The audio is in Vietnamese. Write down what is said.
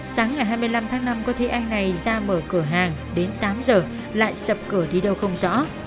sáng ngày hai mươi năm tháng năm có thế anh này ra mở cửa hàng đến tám giờ lại sập cửa đi đâu không rõ